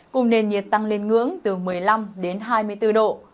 cùng nền nhiệt tăng lên ngưỡng từ một mươi năm đến hai mươi bốn độ